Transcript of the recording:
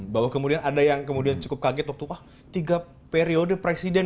bahwa kemudian ada yang cukup kaget tiga periode presiden